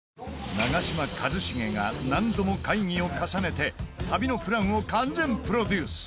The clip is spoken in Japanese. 長嶋一茂が何度も会議を重ねて旅のプランを完全プロデュース